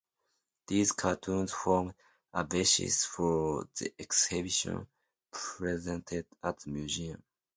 These cartoons formed a basis for the exhibition presented at the museum.